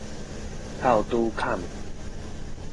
湊拄坎